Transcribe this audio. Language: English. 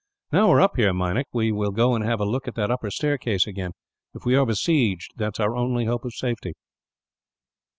"Now we are up here, Meinik, we will go and have a look at that upper staircase, again. If we are besieged, that is our only hope of safety."